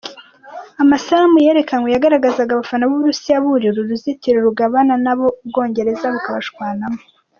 Amasanamu yerekanywe, yagaragaza abafana b'Uburusiya burira uruzitiro rubagabura n'abo Ubwongereza bakabashwaramwo.